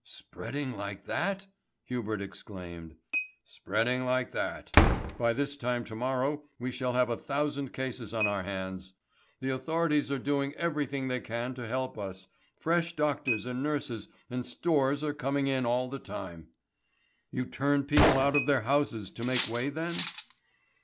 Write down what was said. "Spreading like that?" Hubert exclaimed. "Spreading like that! By this time to morrow we shall have a thousand cases on our hands. The authorities are doing everything they can to help us, fresh doctors and nurses and stores are coming in all the time." "You turn people out of their houses to make way then?"